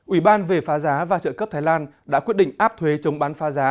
ủy ban về phá giá và trợ cấp thái lan đã quyết định áp thuế chống bán phá giá